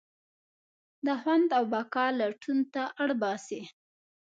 د خوند او بقا لټون ته اړباسي.